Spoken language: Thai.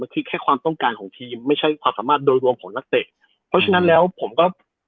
คือแค่ความต้องการของทีมไม่ใช่ความสามารถโดยรวมของนักเตะเพราะฉะนั้นแล้วผมก็